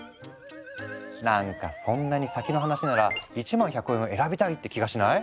なんかそんなに先の話なら１万１００円を選びたいって気がしない？